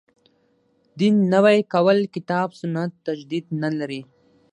دین نوی کول کتاب سنت تجدید نه لري.